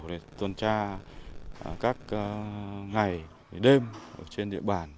để tuần tra các ngày đêm trên địa bàn